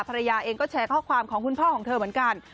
ภรรยาเองก็แชร์ข้อความของคุณพ่อของเธอเหมือนกัน